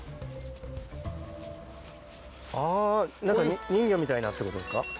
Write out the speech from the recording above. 何か人魚みたいなってことですか。